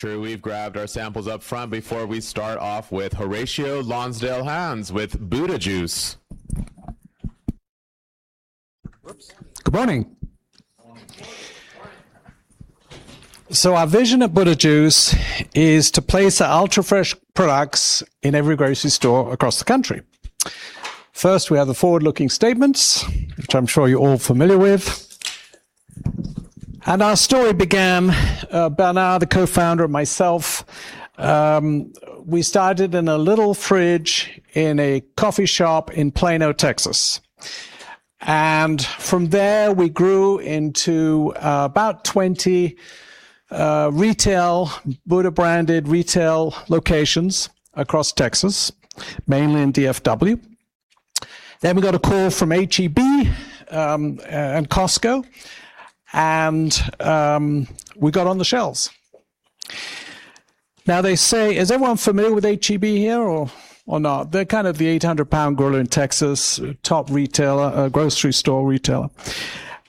Sure. We've grabbed our samples up front before we start off with Horatio Lonsdale-Hands with Buda Juice. Oops. Good morning. Good morning. Our vision at Buda Juice is to place our Ultra Fresh products in every grocery store across the country. First, we have the forward-looking statements, which I'm sure you're all familiar with. Our story began, Bernard, the Co-Founder, and myself, we started in a little fridge in a coffee shop in Plano, Texas. From there, we grew into about 20 Buda-branded retail locations across Texas, mainly in DFW. We got a call from H-E-B and Costco, and we got on the shelves. Is everyone familiar with H-E-B here or not? They're kind of the 800-pound gorilla in Texas, top grocery store retailer.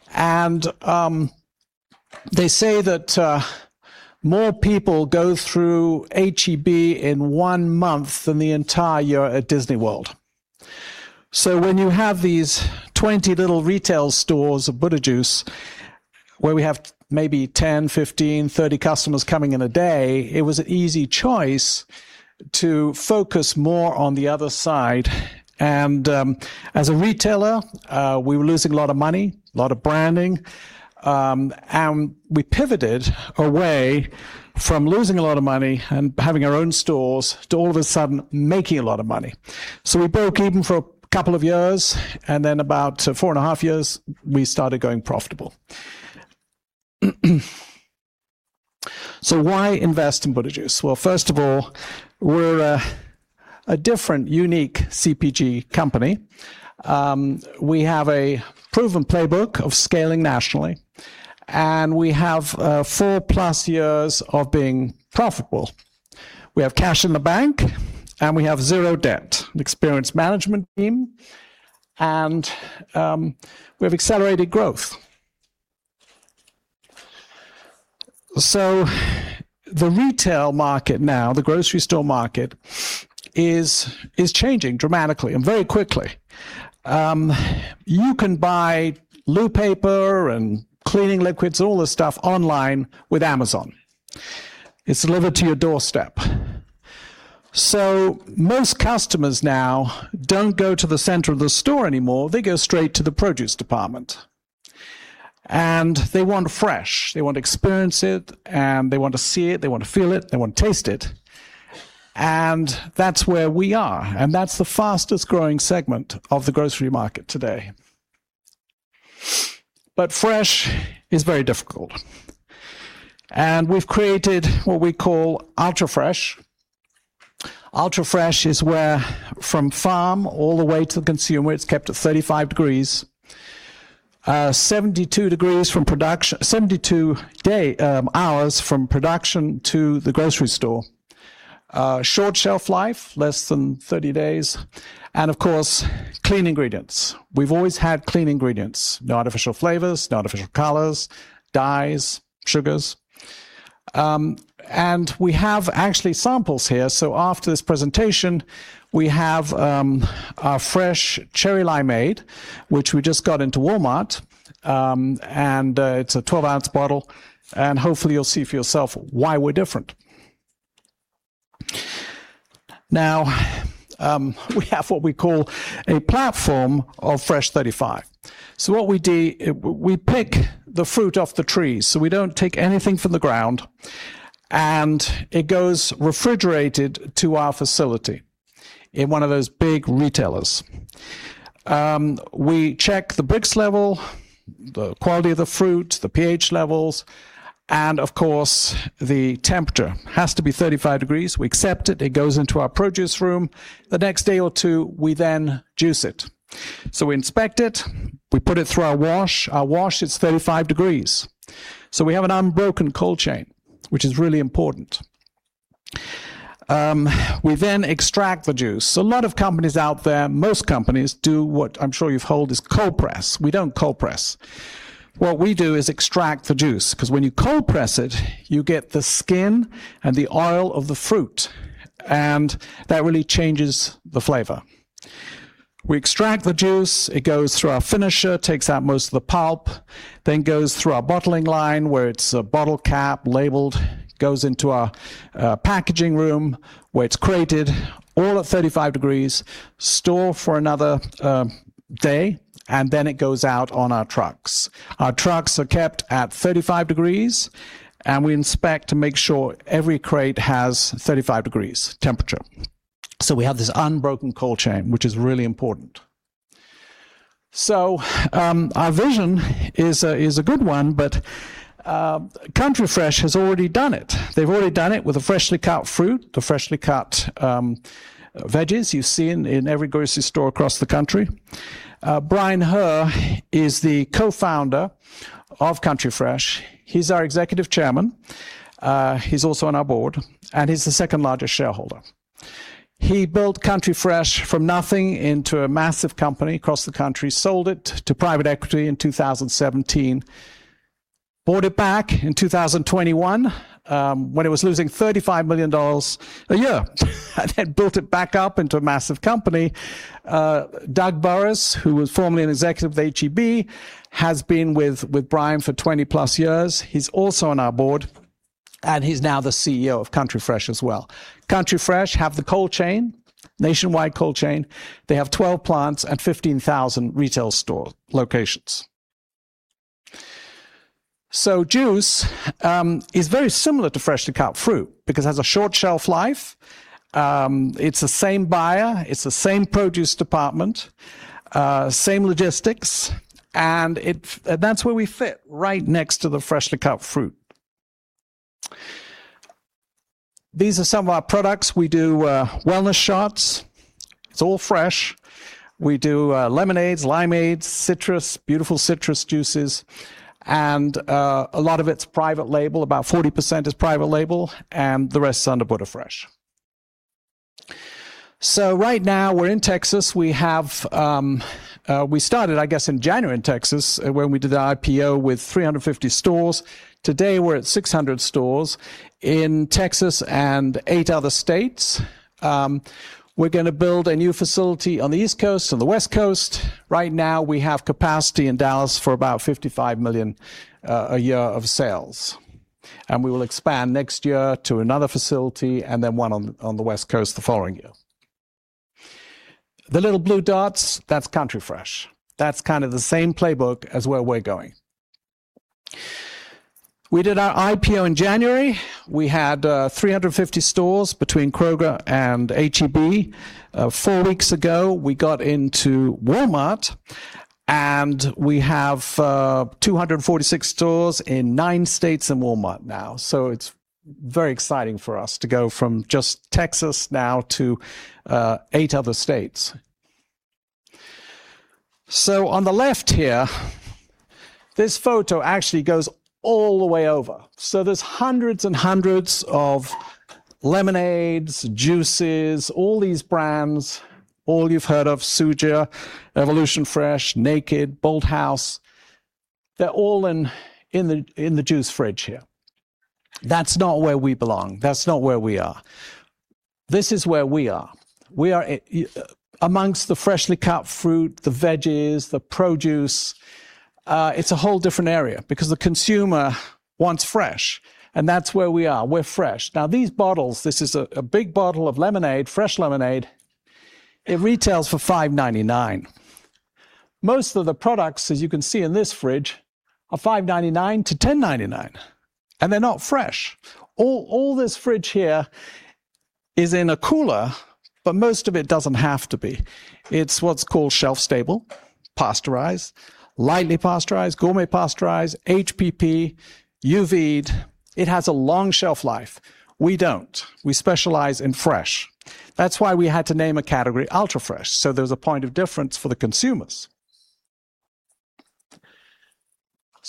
They say that more people go through H-E-B in one month than the entire year at Disney World. When you have these 20 little retail stores of Buda Juice, where we have maybe 10, 15, 30 customers coming in a day, it was an easy choice to focus more on the other side. As a retailer, we were losing a lot of money, a lot of branding. We pivoted away from losing a lot of money and having our own stores to all of a sudden making a lot of money. We broke even for a couple of years, and then about four and a half years, we started going profitable. Why invest in Buda Juice? Well, first of all, we're a different, unique CPG company. We have a proven playbook of scaling nationally, and we have 4-plus years of being profitable. We have cash in the bank, and we have zero debt, an experienced management team, and we have accelerated growth. The retail market now, the grocery store market, is changing dramatically and very quickly. You can buy loo paper and cleaning liquids, all this stuff online with Amazon. It's delivered to your doorstep. Most customers now don't go to the center of the store anymore. They go straight to the produce department. They want fresh. They want to experience it, they want to see it, they want to feel it, they want to taste it. That's where we are. That's the fastest-growing segment of the grocery market today. Fresh is very difficult. We've created what we call Ultra Fresh. Ultra Fresh is where from farm all the way to the consumer, it's kept at 35 degrees Fahrenheit. 72 hours from production to the grocery store. Short shelf life, less than 30 days. Of course, clean ingredients. We've always had clean ingredients. No artificial flavors, no artificial colors, dyes, sugars. We have actually samples here. After this presentation, we have our fresh cherry limeade, which we just got into Walmart. It's a 12-ounce bottle, and hopefully, you'll see for yourself why we're different. We have what we call a platform of Fresh35°. What we do, we pick the fruit off the trees. We don't take anything from the ground, and it goes refrigerated to our facility in one of those big retailers. We check the Brix level, the quality of the fruit, the pH levels, and of course, the temperature. Has to be 35 degrees Fahrenheit. We accept it. It goes into our produce room. The next day or two, we then juice it. We inspect it. We put it through our wash. Our wash is 35 degrees Fahrenheit. We have an unbroken cold chain, which is really important. We then extract the juice. A lot of companies out there, most companies do what I'm sure you've heard is cold press. We don't cold press. What we do is extract the juice because when you cold press it, you get the skin and the oil of the fruit, and that really changes the flavor. We extract the juice. It goes through our finisher, takes out most of the pulp, then goes through our bottling line, where it's bottle capped, labeled. Goes into our packaging room, where it's crated, all at 35 degrees Fahrenheit, store for another day, then it goes out on our trucks. Our trucks are kept at 35 degrees Fahrenheit, and we inspect to make sure every crate has 35 degrees Fahrenheit temperature. We have this unbroken cold chain, which is really important. Our vision is a good one, Country Fresh has already done it. They've already done it with the freshly cut fruit, the freshly cut veggies you see in every grocery store across the country. Bryan Herr is the co-founder of Country Fresh. He's our Executive Chairman. He's also on our board. He's the second-largest shareholder. He built Country Fresh from nothing into a massive company across the country, sold it to private equity in 2017, bought it back in 2021, when it was losing $35 million a year, then built it back up into a massive company. Doug Burris, who was formerly an executive at H-E-B, has been with Bryan for 20+ years. He's also on our board, and he's now the CEO of Country Fresh as well. Country Fresh have the cold chain, nationwide cold chain. They have 12 plants and 15,000 retail store locations. Juice is very similar to freshly cut fruit because it has a short shelf life. It's the same buyer, it's the same produce department, same logistics, that's where we fit, right next to the freshly cut fruit. These are some of our products. We do wellness shots. It's all fresh. We do lemonades, limeades, citrus, beautiful citrus juices, a lot of it's private label. About 40% is private label, the rest is under Buda Fresh. Right now, we're in Texas. We started, I guess, in January in Texas when we did the IPO with 350 stores. Today, we're at 600 stores in Texas and eight other states. We're going to build a new facility on the East Coast and the West Coast. Right now, we have capacity in Dallas for about $55 million a year of sales. We will expand next year to another facility, then one on the West Coast the following year. The little blue dots, that's Country Fresh. That's kind of the same playbook as where we're going. We did our IPO in January. We had 350 stores between Kroger and H-E-B. Four weeks ago, we got into Walmart, we have 246 stores in nine states in Walmart now. It's very exciting for us to go from just Texas now to eight other states. On the left here, this photo actually goes all the way over. There's hundreds and hundreds of lemonades, juices, all these brands. All you've heard of, Suja, Evolution Fresh, Naked, Bolthouse, they're all in the juice fridge here. That's not where we belong. That's not where we are. This is where we are. We are amongst the freshly cut fruit, the veggies, the produce. It's a whole different area because the consumer wants fresh, that's where we are. We're fresh. These bottles, this is a big bottle of lemonade, fresh lemonade. It retails for $5.99. Most of the products, as you can see in this fridge, are $5.99-$10.99, they're not fresh. All this fridge here is in a cooler, most of it doesn't have to be. It's what's called shelf stable, pasteurized, lightly pasteurized, gourmet pasteurized, HPP, UV'd. It has a long shelf life. We don't. We specialize in fresh. That's why we had to name a category Ultra Fresh, so there was a point of difference for the consumers.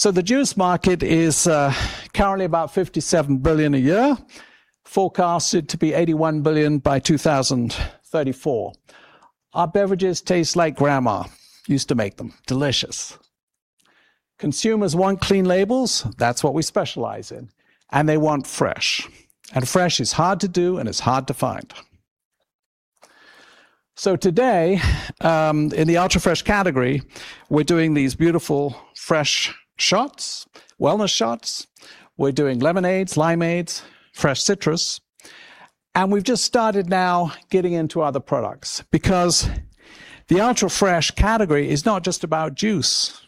The juice market is currently about $57 billion a year, forecasted to be $81 billion by 2034. Our beverages taste like grandma used to make them. Delicious. Consumers want clean labels. That's what we specialize in. They want fresh. Fresh is hard to do, it's hard to find. Today, in the Ultra Fresh category, we're doing these beautiful fresh shots, wellness shots. We're doing lemonades, limeades, fresh citrus, we've just started now getting into other products because the Ultra Fresh category is not just about juice.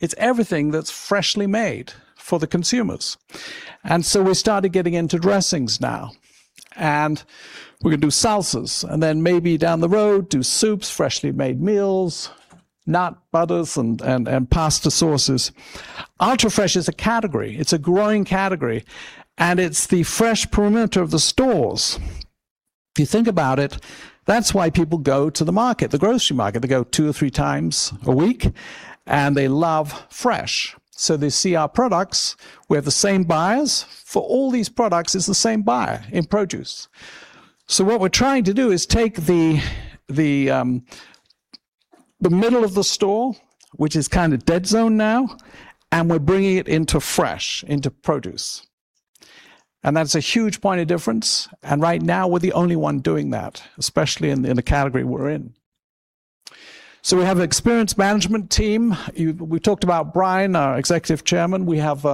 It's everything that's freshly made for the consumers. We started getting into dressings now. We're going to do salsas, then maybe down the road, do soups, freshly made meals, nut butters, and pasta sauces. Ultra Fresh is a category. It's a growing category, it's the fresh perimeter of the stores. If you think about it, that's why people go to the market, the grocery market. They go two or three times a week, they love fresh. They see our products. We have the same buyers for all these products. It is the same buyer in produce. What we're trying to do is take the middle of the store, which is kind of dead zone now, and we're bringing it into fresh, into produce. That's a huge point of difference, and right now we're the only one doing that, especially in the category we're in. We have an experienced management team. We talked about Bryan, our Executive Chairman. We have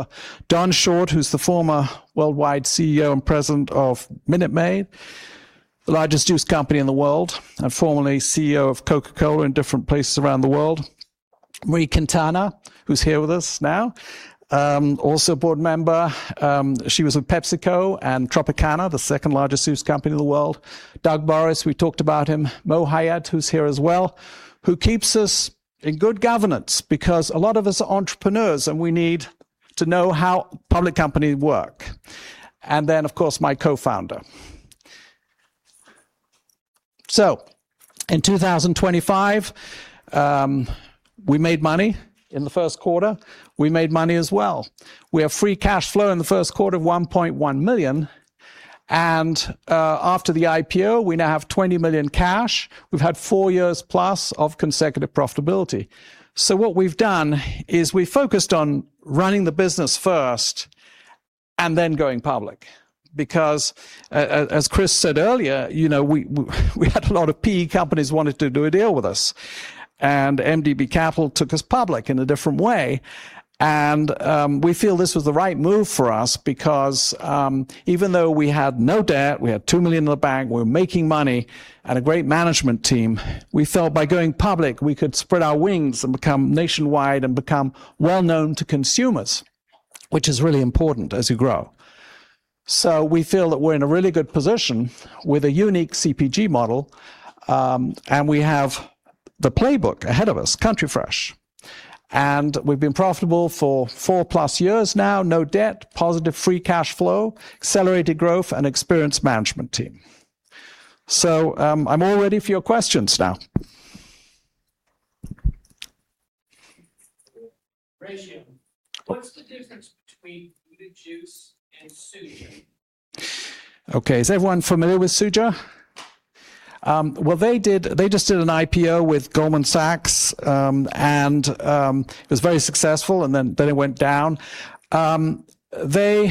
Don Short, who's the former Worldwide CEO and President of Minute Maid, the largest juice company in the world, and formerly CEO of The Coca-Cola Company in different places around the world. Marie Quintana, who's here with us now, also a board member. She was with PepsiCo and Tropicana, the second-largest juice company in the world. Doug Burris, we talked about him. Mo Hayat, who's here as well, who keeps us in good governance because a lot of us are entrepreneurs, and we need to know how public companies work. Of course, my co-founder. In 2025, we made money, in the first quarter, we made money as well. We have free cash flow in the first quarter of $1.1 million, and after the IPO, we now have $20 million cash. We've had four years plus of consecutive profitability. What we've done is we focused on running the business first and then going public, because as Chris said earlier, we had a lot of PE companies wanted to do a deal with us, and MDB Capital took us public in a different way. We feel this was the right move for us because even though we had no debt, we had $2 million in the bank, we were making money, and a great management team, we felt by going public, we could spread our wings and become nationwide and become well-known to consumers, which is really important as you grow. We feel that we're in a really good position with a unique CPG model, and we have the playbook ahead of us, Country Fresh. We've been profitable for 4+ years now. No debt, positive free cash flow, accelerated growth, and experienced management team. I'm all ready for your questions now. Horatio, what's the difference between Buda Juice and Suja? Okay. Is everyone familiar with Suja? They just did an IPO with Goldman Sachs. It was very successful. Then it went down. There's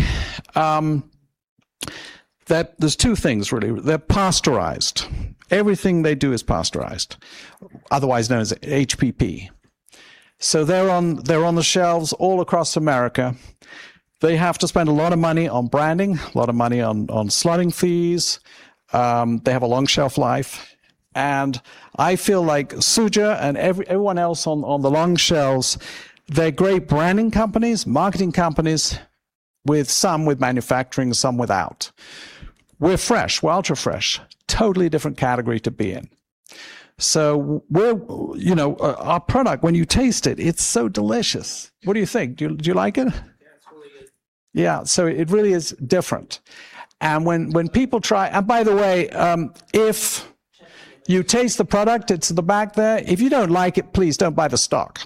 two things really. They're pasteurized. Everything they do is pasteurized, otherwise known as HPP. They're on the shelves all across America. They have to spend a lot of money on branding, a lot of money on slotting fees. They have a long shelf life. I feel like Suja and everyone else on the long shelves, they're great branding companies, marketing companies, some with manufacturing, some without. We're fresh. We're Ultra Fresh. Totally different category to be in. Our product, when you taste it's so delicious. What do you think? Do you like it? Yeah, it's really good. Yeah. It really is different. By the way, if you taste the product, it's at the back there. If you don't like it, please don't buy the stock,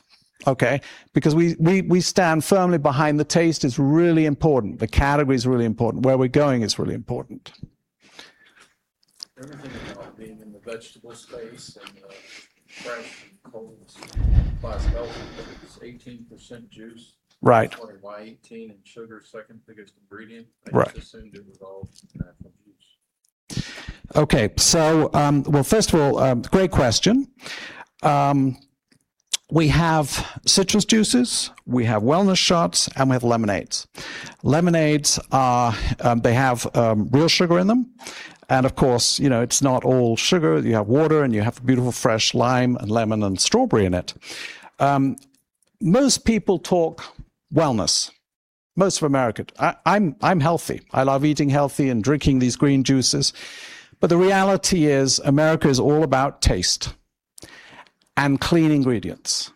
okay? We stand firmly behind the taste. It's really important. The category is really important. Where we're going is really important. Everything about being in the vegetable space and the fresh and cold chain health. It is 18% juice. Right. I was wondering why 18% and sugar is second biggest ingredient. Right. I just assumed it was all apple juice. Okay. Well, first of all, great question. We have citrus juices, we have wellness shots, and we have lemonades. Lemonades, they have real sugar in them, and of course, it's not all sugar. You have water, and you have beautiful fresh lime and lemon and strawberry in it. Most people talk wellness, most of America. I'm healthy. I love eating healthy and drinking these green juices. The reality is, America is all about taste and clean ingredients.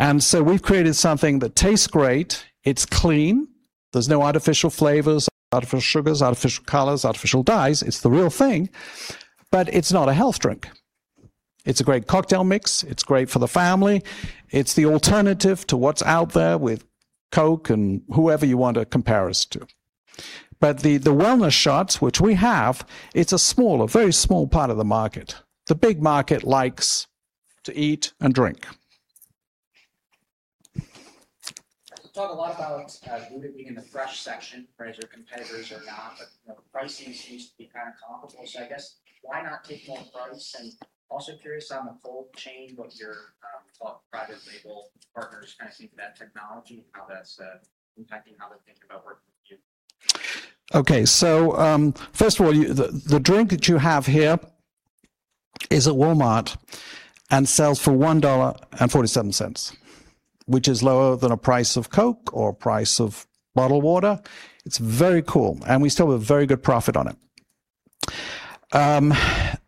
We've created something that tastes great. It's clean. There's no artificial flavors, artificial sugars, artificial colors, artificial dyes. It's the real thing, but it's not a health drink. It's a great cocktail mix. It's great for the family. It's the alternative to what's out there with Coke and whoever you want to compare us to. The wellness shots, which we have, it's a very small part of the market. The big market likes to eat and drink. You talk a lot about Buda being in the fresh section whereas your competitors are not, but the pricing seems to be kind of comparable. I guess why not take more price? Also curious on the cold chain, what your private label partners kind of think of that technology and how that's impacting how they think about working with you. Okay. First of all, the drink that you have here is at Walmart and sells for $1.47, which is lower than a price of Coke or price of bottled water. It's very cool, and we still have a very good profit on it.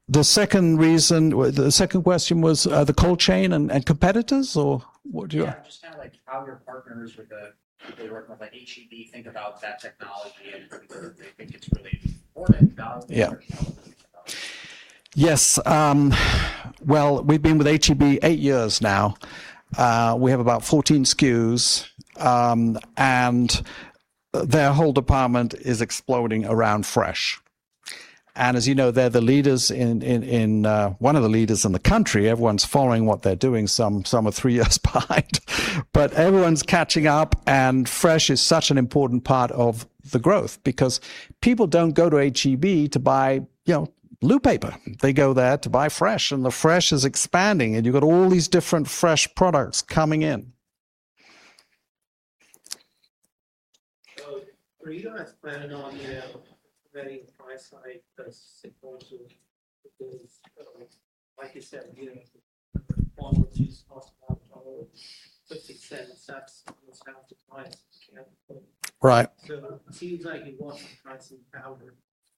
The second question was the cold chain and competitors, or what do you- Yeah, just kind of how your partners with the people you're working with at H-E-B think about that technology and whether they think it's really important now or how they think about it. Yes. Well, we've been with H-E-B eight years now. We have about 14 SKUs. Their whole department is exploding around fresh. As you know, they're one of the leaders in the country. Everyone's following what they're doing. Some are three years behind. Everyone's catching up. Fresh is such an important part of the growth because people don't go to H-E-B to buy loo paper. They go there to buy fresh. The fresh is expanding. You've got all these different fresh products coming in. Are you guys planning on varying price side as similar to those, like you said, bottle of juice costs about $1.47. That's without the price markup. Right. It seems like you've lost your pricing power.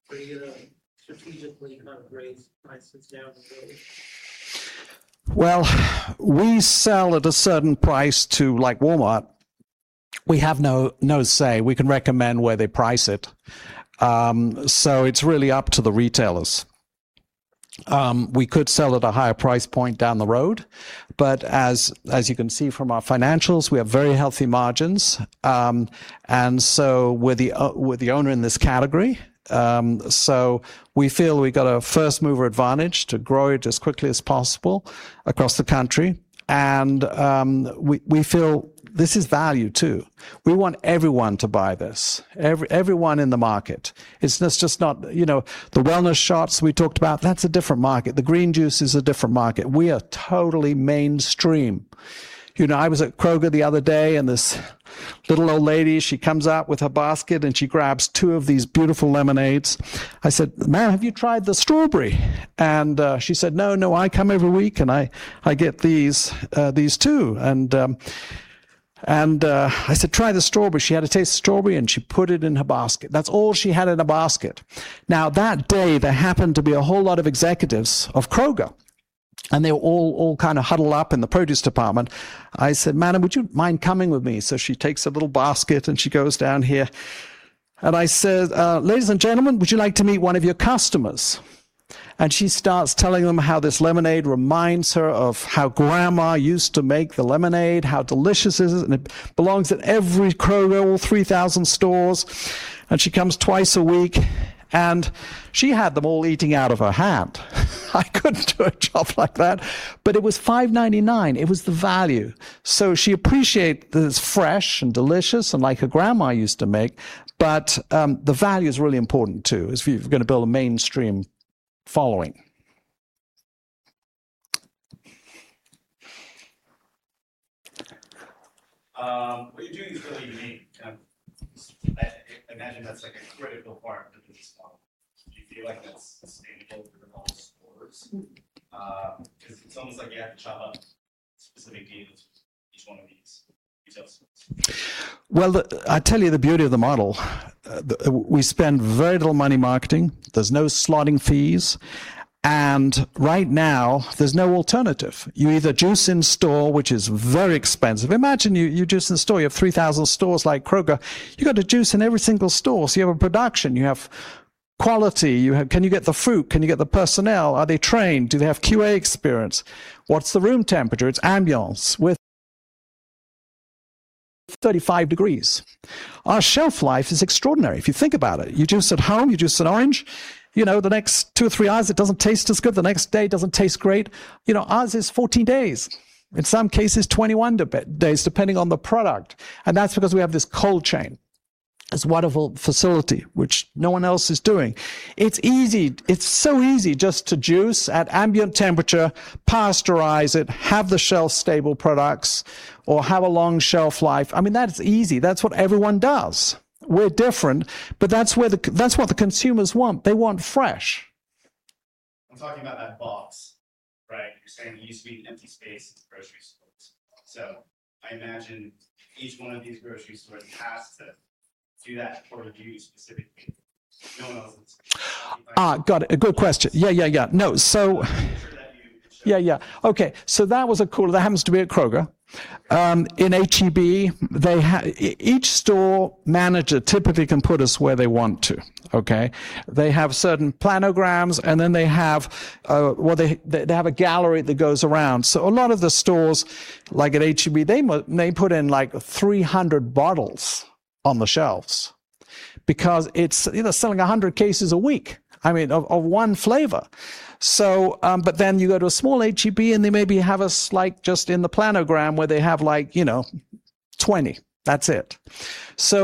Were you strategically kind of raise prices down the road? Well, we sell at a certain price to Walmart. We have no say. We can recommend where they price it. It's really up to the retailers. We could sell at a higher price point down the road. As you can see from our financials, we have very healthy margins. We're the owner in this category. We feel we got a first-mover advantage to grow it as quickly as possible across the country. We feel this is value too. We want everyone to buy this, everyone in the market. The wellness shops we talked about, that's a different market. The green juice is a different market. We are totally mainstream. I was at Kroger the other day. This little old lady, she comes out with her basket and she grabs two of these beautiful lemonades. I said, "Ma'am, have you tried the strawberry?" She said, "No, I come every week, and I get these two." I said, "Try the strawberry." She had a taste of strawberry, and she put it in her basket. That's all she had in her basket. That day, there happened to be a whole lot of executives of Kroger, and they were all huddled up in the produce department. I said, "Madam, would you mind coming with me?" She takes her little basket, and she goes down here. I said, "Ladies and gentlemen, would you like to meet one of your customers?" She starts telling them how this lemonade reminds her of how grandma used to make the lemonade, how delicious it is, and it belongs in every Kroger, all 3,000 stores. She comes twice a week. She had them all eating out of her hand. I couldn't do a job like that, but it was $5.99. It was the value. She appreciate that it's fresh and delicious and like her grandma used to make, but the value is really important, too, if you're going to build a mainstream following. What you're doing is really unique. I imagine that's a critical part of your response. Do you feel like that's sustainable through all the stores? Because it's almost like you have to chop up specific deals with each one of these retail stores. Well, I tell you the beauty of the model. We spend very little money marketing. There's no slotting fees. Right now, there's no alternative. You either juice in store, which is very expensive. Imagine you juice in store. You have 3,000 stores like Kroger. You've got to juice in every single store. You have a production. You have quality. Can you get the fruit? Can you get the personnel? Are they trained? Do they have QA experience? What's the room temperature? It's ambiance with 35 degrees. Our shelf life is extraordinary. If you think about it, you juice at home, you juice an orange. The next two or three hours, it doesn't taste as good. The next day, it doesn't taste great. Ours is 14 days. In some cases, 21 days, depending on the product. That's because we have this cold chain. This wonderful facility, which no one else is doing. It's easy. It's so easy just to juice at ambient temperature, pasteurize it, have the shelf-stable products, or have a long shelf life. That's easy. That's what everyone does. We're different, but that's what the consumers want. They want fresh. I'm talking about that box. Right? You're saying it used to be an empty space at the grocery stores. I imagine each one of these grocery stores has to do that for you specifically. No one else is [inaudible] Got it. Good question. Yeah. No- Make sure that you [inaudible] Yeah. Okay. That was a cool. That happens to be at Kroger. In H-E-B, each store manager typically can put us where they want to. Okay. They have certain planograms and then they have a gallery that goes around. A lot of the stores like at H-E-B, they may put in 300 bottles on the shelves because it's selling 100 cases a week of one flavor. You go to a small H-E-B, and they maybe have us just in the planogram where they have 20. That's it.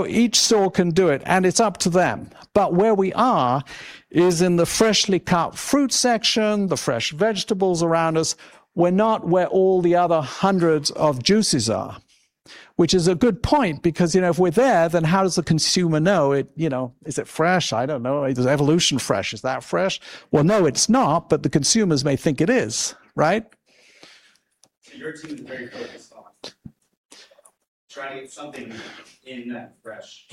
Each store can do it, and it's up to them. Where we are is in the freshly cut fruit section, the fresh vegetables around us. We're not where all the other hundreds of juices are. It is a good point because if we're there, then how does the consumer know it? Is it fresh? I don't know. Is Evolution Fresh? Is that fresh? No, it's not, but the consumers may think it is. Right. Your team is very focused on trying to get something in that fresh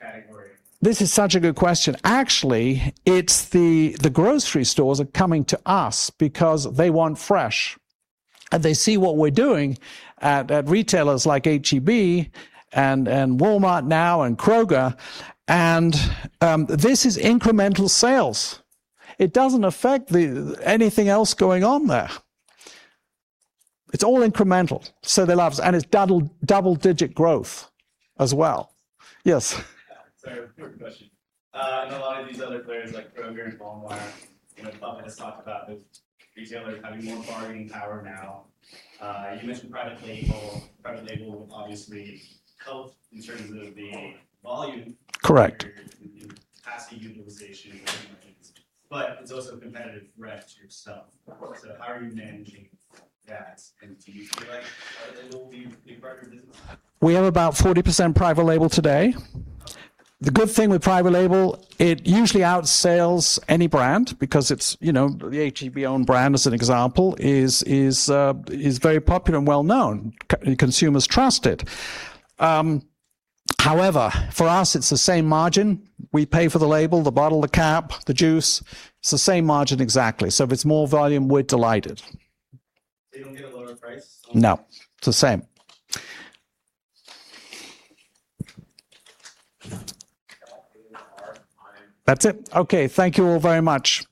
category. This is such a good question. Actually, it's the grocery stores are coming to us because they want fresh. They see what we're doing at retailers like H-E-B and Walmart now and Kroger, this is incremental sales. It doesn't affect anything else going on there. It's all incremental. They love us, and it's double-digit growth as well. Yes. Sorry, quick question. I know a lot of these other players like Kroger and Walmart have talked about the retailers having more bargaining power now. You mentioned private label. Private label obviously helps in terms of the volume. Correct capacity utilization, it's also a competitive threat to yourself. How are you managing that, and do you feel like private label will be part of your business? We have about 40% private label today. Okay. The good thing with private label, it usually outsells any brand because it's the H-E-B own brand, as an example, is very popular and well-known. Consumers trust it. However, for us, it's the same margin. We pay for the label, the bottle, the cap, the juice. It's the same margin exactly. If it's more volume, we're delighted. You don't get a lower price? No. It's the same. That's it. Okay. Thank you all very much. Thank you.